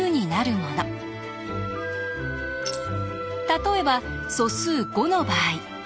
例えば素数５の場合。